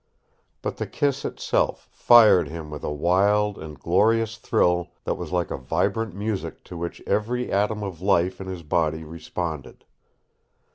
But the kiss itself fired him with a wild and glorious thrill that was like a vibrant music to which every atom of life in his body responded.